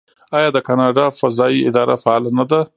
آیا د کاناډا فضایی اداره فعاله نه ده؟